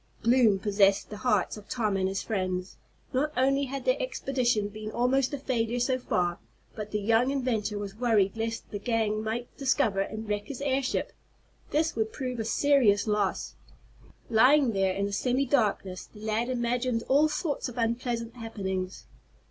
Gloom possessed the hearts of Tom and his friends. Not only had their expedition been almost a failure so far, but the young inventor was worried lest the gang might discover and wreck his airship. This would prove a serious loss. Lying there in the semi darkness the lad imagined all sorts of unpleasant happenings.